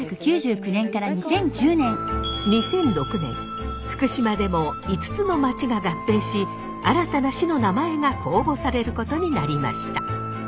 ２００６年福島でも５つの町が合併し新たな市の名前が公募されることになりました。